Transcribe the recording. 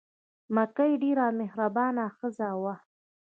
مکۍ ډېره مهربانه ښځه وه.